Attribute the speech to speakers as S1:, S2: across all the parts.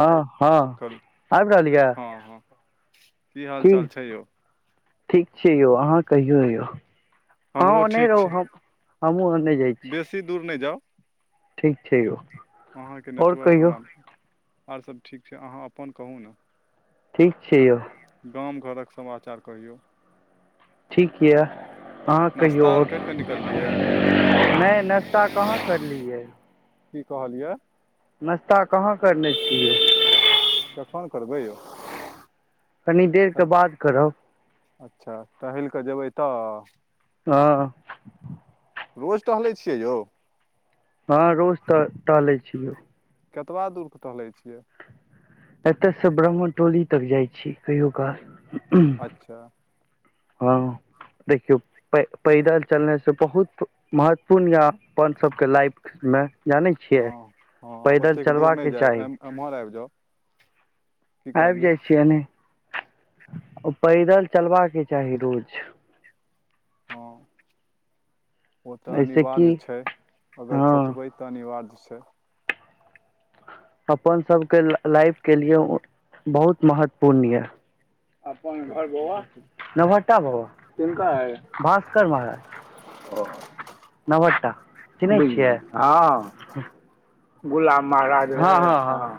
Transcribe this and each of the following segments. S1: हँ हँ आबि रहल यऽ
S2: की हाल चाल छै यौ
S1: ठीक छै यौ अहाँ कहियौ [inaudible]
S2: हमरो
S1: अहाँ नै
S2: ठीक छै
S1: [inaudible] हमहूँ जाइ छी
S2: बेसी दूर नहि जाउ
S1: ठीक छै यौ
S2: [inaudible] अहाँ केँ
S1: आओर
S2: नेटवर्क
S1: कहियौ
S2: हमरा और सब ठीक छै अहाँ अपन कहू न
S1: ठीक छी यौ
S2: गाम घरक समाचार कहियौ
S1: ठीक यऽ अहाँ कहियौ
S2: नाश्ता आर
S1: आओर
S2: करि कऽ निकललियै
S1: नय नाश्ता कहाँ करलियै
S2: की कहलियै
S1: नाश्ता कहाँ करने छियै
S2: कखन करबै यौ
S1: कनि देर के बाद करब
S2: अच्छा टहल कऽ जेबै तऽ
S1: हँ
S2: रोज टहलै छियै यौ
S1: हँ रोज टऽ टहलै छी यौ
S2: केतबा दूर क टहलै छियै
S1: एतय से ब्राम्ह टोली तक जाइ छी कहियो कऽ
S2: अच्छा
S1: हँ देखियौ पैदल चलने से बहुत महत्वपूर्ण या अपन सभके लाइफ मे जानै छियै
S2: हँ हँ
S1: पैदल चलबाके चाही
S2: ह् [inaudible]
S1: आबि जाइ छियै एनी पैदल चलबाके चाही रोज
S2: हँ ओ तऽ
S1: ऐसे कि
S2: अनिवार्ज छै अगर
S1: हँ
S2: सोचबै अनिवार्ज छै
S1: अपन सबके लाइफके लिए बहुत महत्वपूर्ण यऽ अपन घर बौआ
S2: कही
S1: नवट्टा [unintelligible] नवट्टा चिनहै छियै हं गुलाब बाग हँ हँ हँ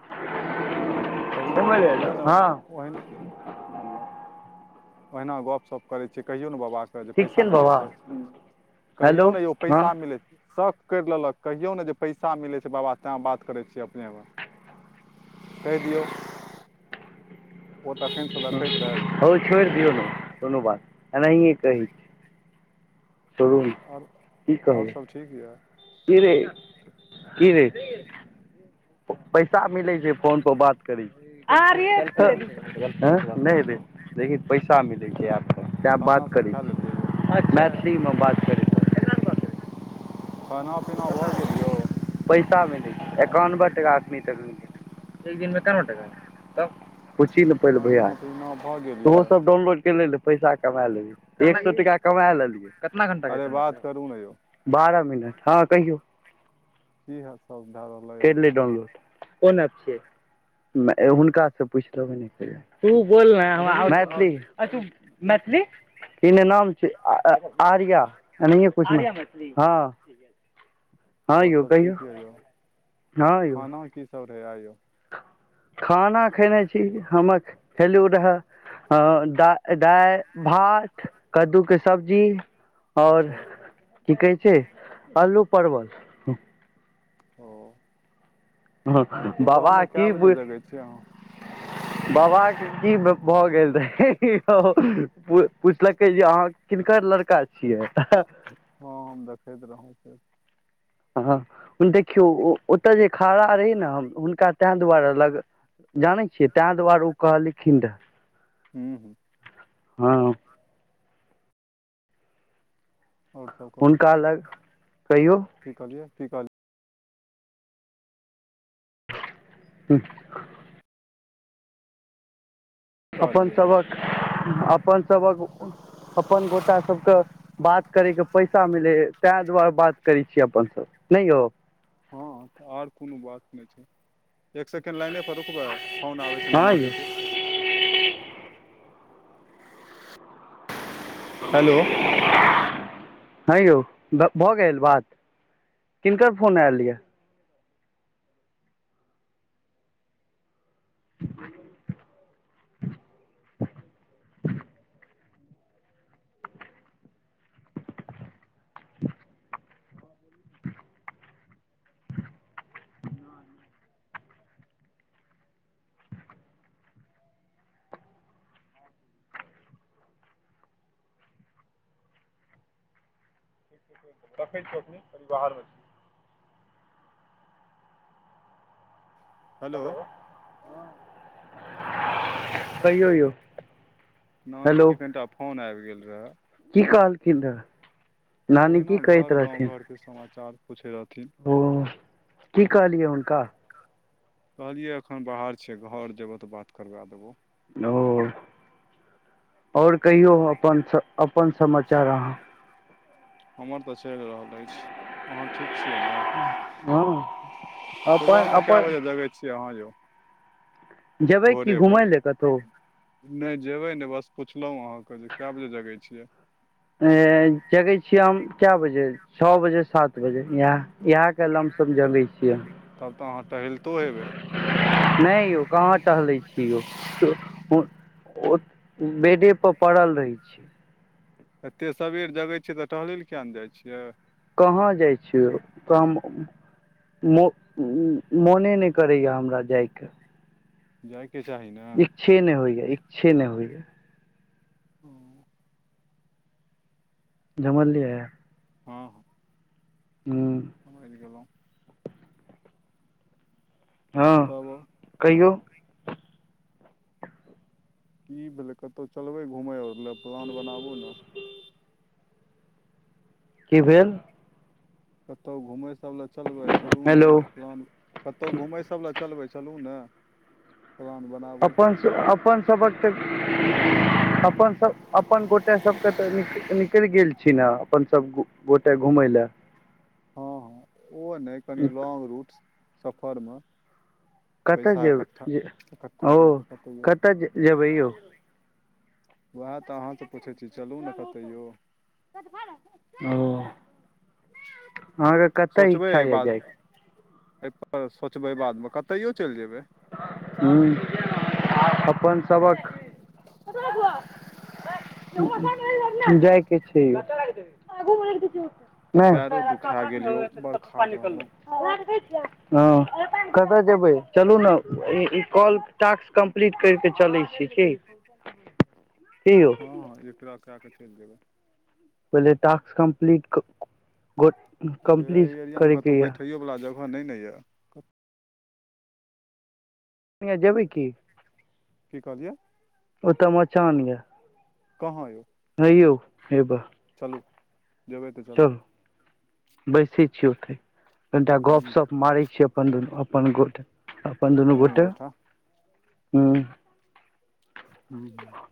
S1: [unintelligible] हँ
S2: ओईमे ओहिना गपशप करै छै कहियो न बाबा के जे
S1: ठीक
S2: पैसा
S1: ने
S2: मिलै
S1: बाबा
S2: छै कहियौ
S1: हेलो
S2: ने यौ
S1: हँ
S2: पैसा मिलैत शख करि लेलक कहियौ ने जे पैसा मिलै छै बाबा तैं बात करै छियै अपने मे कहि दियौ ओ तखनसँ देखैत रहै यौ
S1: ह छोड़ दियौ न कोनो बात अनाही कहै छी
S2: आओर आओर सब ठीक यऽ
S1: कि रै कि रै पैसा मिलै छै फोनपर बात की [unintelligible] नहि र लेकिन पैसा मिलै छै आबके तैँ
S2: खाना
S1: बात
S2: सब
S1: करै
S2: खा लेलियै यऽ
S1: छी मैथिलीमे बात करै छै
S2: खाना पीना भऽ गेल यौ
S1: पैसा मिलै छै एकानबे टाका अखमी तक मिलत एक दिन मे एकावन टका तब पुछि ल
S2: खाना पिना
S1: तऽहो सब डाउनलोड के ले ले पैसा कमा लेैबही एक सए टका कमा लेलियै कतना घंटा
S2: अरे बात करू न यौ
S1: बारह मिनट हँ कहियौ
S2: जी ह सबधा रहल
S1: करिले डाउनलोड कोन एप छियै हुनकासँ पुछि लेबनि एक बेर तू बोल मैथिल [unintelligible] मैथिली नाम छी आर्या अनाहिये कुछ आर्या मैथिली हँ हँ
S2: आओर
S1: यौ
S2: सब
S1: कहियौ
S2: ठीक य यौ
S1: हँ यौ
S2: आर की सब रहै आय यौ
S1: खाना खेने छी हम हेलू रहए ह द दालि भात कद्दूके सब्जी आओर
S2: अच्छा ओ
S1: की कहै छै अलू परवल
S2: ओ सुबह
S1: बाबा
S2: मे कए बजे जगै छी अहाँ
S1: बाबा की भऽ गेल रहे पुछलकै जे अहाँ किनकर लड़का छियै
S2: हँ हम देखैत रहौं से
S1: हँ देखियौ ओतय जे खाड़ा रहै न हम हुनका ताहि दुआरे लग जानै छियै तांइ दुआरे ओ कहलखिन रहऽ
S2: हूँ हूँ
S1: हँ
S2: आओर सब कहू
S1: हुनका लग कहियौ
S2: की कहलियै की कहलै
S1: हूँ अपन
S2: कहलियै यौ
S1: सभक अपन सभक अपन गोटा सबके बात करे के पैसा मिलेय तें दुआरे बात करै छियै अपन सभ नय यौ
S2: हँ तऽ आर कोनो बात नय छै एक सेकेण्ड लाइने पर रुकबै फोन आबै छै
S1: हँ
S2: नाना
S1: यौ
S2: जी के हेलो
S1: हँ यौ भऽ गेल बात किनकर फोन आयल यऽ [inaudible] देखैत छी [unintelligible] हेलो कहियो यौ
S2: नानी
S1: हेलो
S2: के कनिटा फोन आबि गेल रहए
S1: की कहलखिन रहऽ नानी की
S2: ओहिना
S1: कहति
S2: घर गाँव
S1: रहथिन
S2: घरके समाचार पूछै रहथिन
S1: ओ की कहलियै हुनका
S2: कहलियै एखन बाहर छिय घर जेबौ तऽ बात करबे देबौ
S1: ओ आओर कहियो अपन स अपन समाचार अहाँ
S2: हमर तऽ चलि रहल अछि अहाँ ठीक छियै ने
S1: हँ
S2: सुबह
S1: अपन
S2: मे कए
S1: अपन
S2: बजे जगै छियै अहाँ यौ
S1: जेबै की घुमय लए कतौ
S2: नय जेबै ने बस पुछलहुँ अहाँके जे कए बजे जगै छियै
S1: जगै छियै हम कए बजे छओ बजे सात बजे इएह इहे क लमशम जगैय छियै
S2: तब तऽ अहाँ टहलितो हेबै
S1: नय यौ कहाँ टहलै छी यौ ओ [inaudible] बेडे पर पड़ल रहै छै
S2: एतेक सबेर जगै छियै तऽ टहलए लऽ किया नै जाइ छियै
S1: कहाँ जाइ छियौ [unintelligible] मो मोने नै करैए हमरा जाए कऽ
S2: जाय कऽ चाही न
S1: इच्छे नै होइय इच्छे नै होइय
S2: [inaudible]
S1: [unintelligible]
S2: हँ हँ
S1: हूँ
S2: समैझ गेलौं
S1: हँ
S2: [unintelligible]
S1: कहियौ
S2: की भेलै कतै चलबै घुमय आर लऽ प्लान बनाबू न
S1: की भेल
S2: कतै घुमय सभ लऽ चलबै चलू न
S1: हेलो
S2: फैन कतै घुमै सब लए चलबै चलू ने [inaudible] प्लान बनाबू
S1: अपन अपन सबक तऽ [unintelligible] अपन सभ अपन गोटे सभके तऽ नि निकैल गेल छी न अपन सभ गोटे घुमय लऽ
S2: हँ हँ ओ नै कनि लौग रूट सफरम
S1: कतऽ जेब जे
S2: इकट्ठा
S1: [inaudible] ओ
S2: करि
S1: [inaudible]
S2: कतैयौ
S1: कऽ तऽ जेबै यौ
S2: ओएह तऽ अहाँसँ पूछैत छी चलू ने कतै यौ [inaudible]
S1: ओ अहाँके
S2: [unintelligible]
S1: कतऽ इच्छा यऽ जाइके
S2: सोचबै बादमे कतहियो चैल जेबै
S1: [unintelligible] जाय केँ छै यौ [unintelligible] [unintelligible] हँ
S2: पैरो दुखा गेल यौ बड़ ठाढ़ रहलहुँ
S1: कतय जेबै चलू न ई कॉल टास्क कम्प्लीट कैर कऽ चलै छी ठीक
S2: [unintelligible]
S1: [inaudible] कि यौ
S2: हँ हँ एकरा कै कऽ चैल जेबै
S1: पहिले टास्क कंप्लीट [unintelligible]
S2: जे एहि एरियामे कतौ बैठैयोवला जगह नै न यऽ
S1: जेबै की
S2: की कहलियै
S1: ओ तऽ मचान यऽ
S2: कहाँ यौ
S1: हे यौ हेब
S2: चलू [inaudible] जेबै तऽ चलू
S1: बैसै छियै ओते [inaudible] कनिटा
S2: ह
S1: गपशप मारै छियै अपन दुनू अपन गोट अपन दुनू गोटे [inaudible] हू
S2: [unintelligible]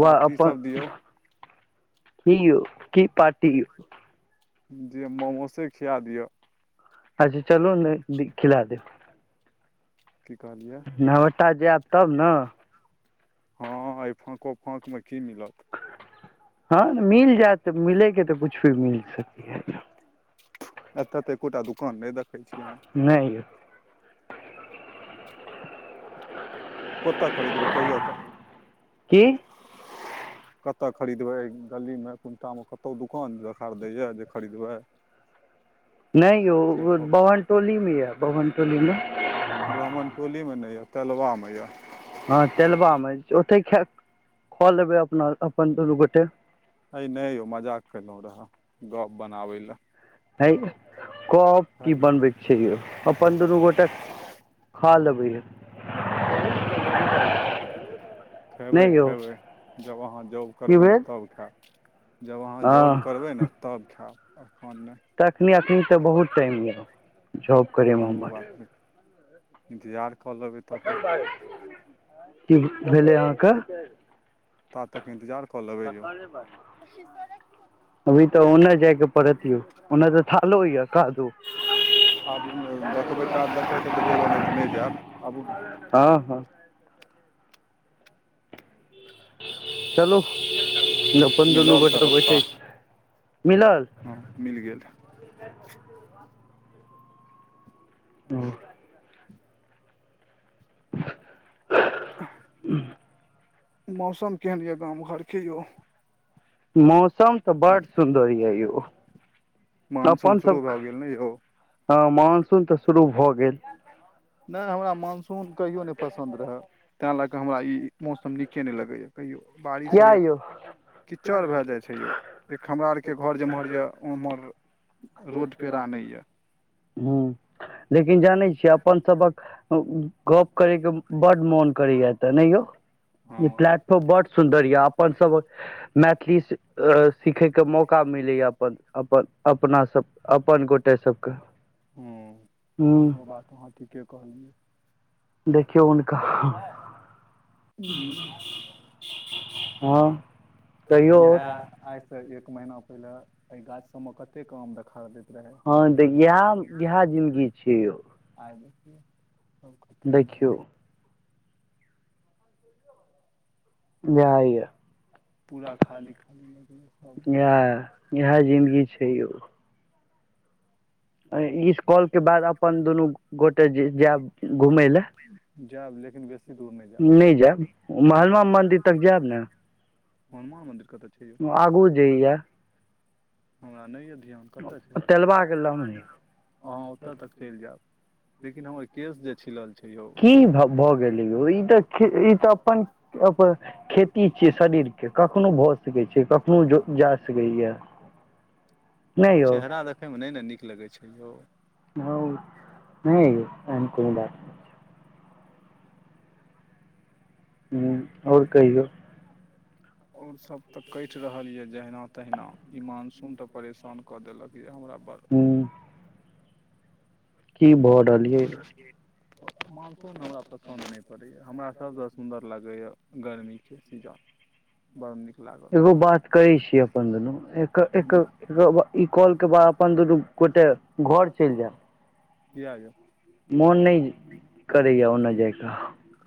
S2: पार्टी सब दियौ [unintelligible] दिय मोमोसे खिया दिअ
S1: अच्छा चलू नै खिला देव
S2: की कहलियै
S1: नबहटा जायब तब न
S2: हँ एहि फाँको फाँक म की मिलत
S1: [inaudible] हँ मिल जायत मिले कऽ तऽ कुछु भी मिल सकै
S2: एतऽ तऽ एकोटा दुकान नै देखै छीयै हम
S1: नै यऽ
S2: कोतो खरीदबै कहियौ तऽ
S1: की
S2: [unintelligible] कतय खरीदबै गलीमे कन्टामे कतहु दुकान देखार दै यऽ जे खरीदबै [inaudible]
S1: नै यौ
S2: से कहू
S1: बभनटोली मे यऽ बभनटोली मे
S2: ब्राह्मण टोली मे नै यऽ तेलबा मे यऽ
S1: हँ तेलबा मे ओते खा [inaudible] ख लेबै अपना अपन दुनू गोटे
S2: हइ नै यौ मजाक कयलहुँ रह गप्प बनाबै लए
S1: हय [inaudible] कप की
S2: हइ
S1: बनबे केँ छै यौ अपन दुनू गोटे [inaudible] खा लेबै या [unintelligible]
S2: [unintelligible] खयबै
S1: नहि यौ
S2: खयबै जब अहाँ जॉब
S1: की
S2: करबै न
S1: भेल
S2: तब खैब जब अहाँ
S1: हँ
S2: जॉब करबै न तब खैब एखन नै
S1: तखनी अखनी तऽ बहुत टाइम यऽ [inaudible] जॉब
S2: तऽ
S1: करै म
S2: कोनो
S1: हमर
S2: बात नहि इन्तजार कऽ लेबै तब तक
S1: [unintelligible] की भेलै अहाँ कऽ
S2: ता तक इन्तजार कऽ लेबै यौ
S1: [unintelligible] अभी तऽ ओने जाय कऽ पड़त यौ ओने तऽ थालो यऽ
S2: [unintelligible] आबू ने देखबै कात द केँ हेतै तऽ जेबै नै तऽ नै जायब आबू न
S1: हँ हँ
S2: मिलल तऽ रस्ता
S1: [unintelligible]
S2: हँ मिल गेल [inaudible] [inaudible]
S1: [unintelligible]
S2: [unintelligible] मौसम केहन यऽ गाम घर केँ यो
S1: मौसम तऽ बड सुन्दर यऽ यौ
S2: मानसून
S1: अपन सब
S2: शुरू भए गेल नै यौ
S1: हँ मानसून तऽ शुरू भऽ गेल
S2: नै हमरा मानसून कहियो नै पसन्द रहए तैं लए कऽ हमरा ई मौसम नीके नै लगैया कहियो बारिश
S1: किया
S2: होइया
S1: यौ
S2: तऽ किचड़ भए जाइ छै यौ [inaudible] हमरा आर केँ घर जे एम्हर य उम्हर रोड पेरा नै यऽ
S1: हू [inaudible] लेकिन जानै छियै अपन सभ हक गप करय कऽ बड मोन करैये त नहि यौ
S2: हँ
S1: [unintelligible] सुंदर य अपन सब [inaudible] मैथिली सि [inaudible] अ सीखै कऽ मौका मिलैए अपन अपन अपना सब अपन गोटे सब कऽ
S2: हँ
S1: [inaudible] हू
S2: सेहो बात अहाँ ठीके कहलियै
S1: देखियौ हुनकाह हँ कहियौ
S2: इएह आइस एक महीना पहिले एहि गाछ सबमे कतेक आम देखा
S1: हँ देगी आम इएह जिनगी छै यौ
S2: आइ देखियौ सब खतम भ
S1: देखियौ
S2: गेलै
S1: जाय य
S2: पूरा खाली खाली लगैये सब
S1: आँ इएह जिन्दगी छै यौ इस कॉल के बाद अपन दुनू गोटे जेएब घुमय लए
S2: जायब लेकिन बेसी दूर नै
S1: नहि जायब
S2: जेएब
S1: महात्मा
S2: हनुमान
S1: मन्दिर
S2: मंदिर तक
S1: जायब
S2: जेएब ने हनुमान मन्दिर कत छै
S1: आगू जेईया
S2: हमरा नै य ध्यान कत छै
S1: तेलबाक लम्हे
S2: अहाँ ओत तक चलि जायब लेकिन हमर केस जे छिलल छै यौ
S1: की भ भ गेलै यौ ई त ई त अपन अप खेती छियै शरीर के कखनो भ सकैत छै कखनो ज जा [unintelligible] नहि यौ
S2: चेहरा देखैमे नै ने नीक लगै छै यौ
S1: हौं नै यौ एहन कोनो बात उ आओर कहियौ
S2: आओर सभ त कटि रहलय जहिना तहिना ई मानसून त परेशान क देलक य हमरा बड़
S1: हूँ [unintelligible]
S2: [inaudible] मानसून हमरा पसन्द नै पड़ै य हमरा सभसँ सुन्दर लगैय गरमी के सीजन बड़ नीक लागल
S1: ओ बात कहै छी अपन दुनू एक एक
S2: किया
S1: रौबा ई कॉल के बाद अपन दुनू गोटे घर चलि जेएब
S2: किया यौ
S1: मोन नै करैया ओन जाय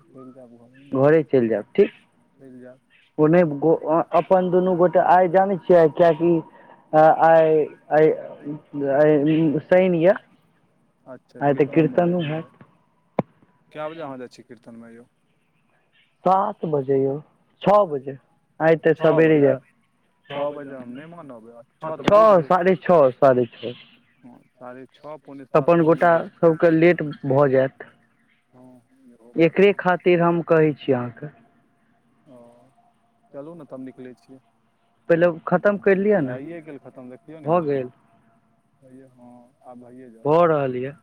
S2: चलि जायब घरमे
S1: घरे चलि जायब ठीक
S2: चलि जाएब
S1: ओ नै ओ अ अपन दुनू गोटे आइ जानै छियै कियाकि हँ आइ आइ आई शनि य
S2: अच्छा कीर्तन मे जाय क
S1: हैत
S2: य कए बजे अहाँ जाइ छियै कीर्तन मे यौ
S1: सात बजे यौ छओ बजे आइ तऽ
S2: छ
S1: सबेरे
S2: बजे छ बजे हम नै मानब छ
S1: जायब
S2: त
S1: छओ
S2: बाजि गेल
S1: साढ़े छओ साढ़े छओ
S2: हँ साढ़े छ पौने
S1: अपन
S2: सात मानि
S1: गोटा सभके लेट
S2: लेब
S1: भऽ जायत एकरे खातिर
S2: [unintelligible]
S1: हम कहै छी अहाँके
S2: ओ चलू न त हम निकलै छि
S1: पहिले खतम करि लिअ ने
S2: [unintelligible] गेल खतम देखियौ ने
S1: भऽ
S2: भेल
S1: गेल
S2: हैया हँं आब भैयए ज
S1: भऽ रहल यऽ